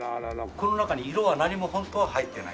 この中に色は何もホントは入ってない。